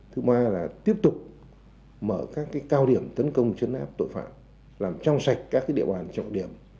thứ ba là tiếp tục mở các cao điểm tấn công chấn áp tội phạm làm trong sạch các địa bàn trọng điểm